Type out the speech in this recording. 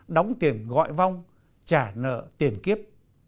đóng tiền gọi vong trả nợ tiền kiếp